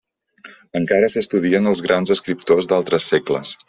Encara s'estudien els grans escriptors d'altres segles.